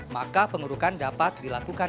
maka pengurukan dapat dilakukan